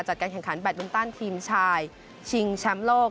การแข่งขันแบตมินตันทีมชายชิงแชมป์โลก